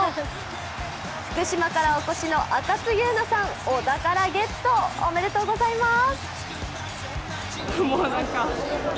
福島からお越しの赤津優奈さん、お宝ゲット、おめでとうございます！